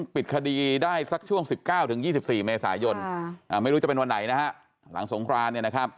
ปิดคดีได้ซักช่วง๑๙ถึง๒๔มีสายยนตร์ไม่รู้จะเป็นวันไหนล้างสงคราน